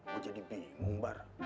gue jadi bingung bar